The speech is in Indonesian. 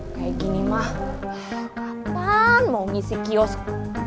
kayak gini mah kapan mau ngisi kiosku